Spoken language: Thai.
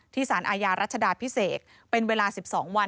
สารอาญารัชดาพิเศษเป็นเวลา๑๒วัน